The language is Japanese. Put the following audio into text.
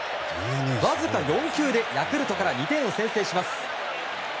わずか４球でヤクルトから２点を先制します。